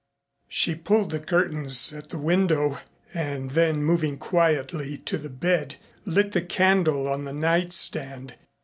She pulled the curtains at the window and then moving quietly to the bed, lit the candle on the night stand.